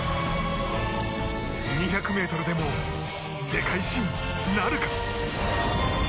２００ｍでも世界新なるか？